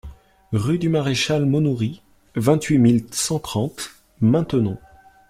Rue du Maréchal Maunoury, vingt-huit mille cent trente Maintenon